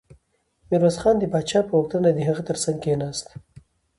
ميرويس خان د پاچا په غوښتنه د هغه تر څنګ کېناست.